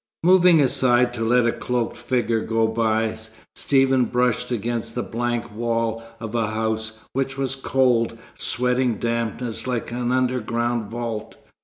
Moving aside to let a cloaked figure go by, Stephen brushed against the blank wall of a house, which was cold, sweating dampness like an underground vault.